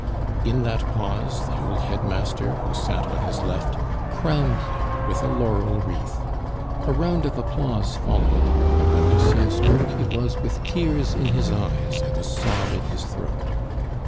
In that pause the old headmaster, who sat on his left, crowned him with a laurel wreath. A round of applause followed, and when Lucien spoke it was with tears in his eyes and a sob in his throat.